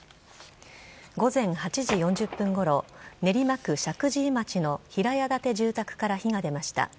午前８時４０分ごろ、練馬区石神井町の平屋建て住宅から火が出ました。